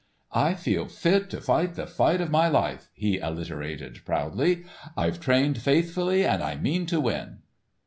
"I feel fit to fight the fight of my life," he alliterated proudly. "I've trained faithfully and I mean to win."